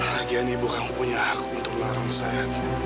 lagian ibu kan punya hak untuk mengarang saya